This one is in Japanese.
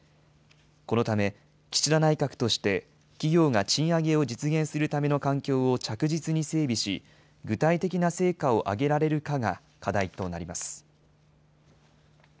このため岸田内閣として企業が賃上げを実現するための環境を着実に整備し、具体的な成果を上げられるかが課題となります。